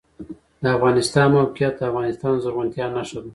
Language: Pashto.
د افغانستان د موقعیت د افغانستان د زرغونتیا نښه ده.